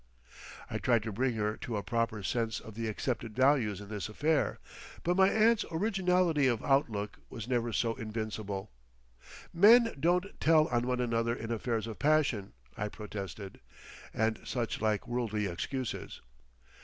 I tried to bring her to a proper sense of the accepted values in this affair, but my aunt's originality of outlook was never so invincible. "Men don't tell on one another in affairs of passion," I protested, and such like worldly excuses.